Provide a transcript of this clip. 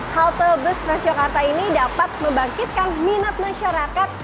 halte bus transjakarta ini dapat membangkitkan minat masyarakat